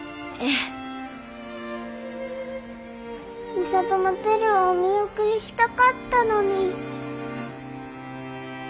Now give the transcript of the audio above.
美里もテルをお見送りしたかったのに。